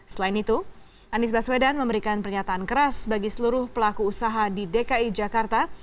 selain itu anies baswedan memberikan pernyataan keras bagi seluruh pelaku usaha di dki jakarta